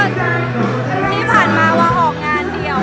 ที่ผ่านมาว่าออกงานเดียว